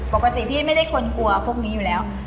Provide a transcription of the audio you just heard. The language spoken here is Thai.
ปกติพี่ไม่ได้คนกลัวพวกนี้อยู่แล้ว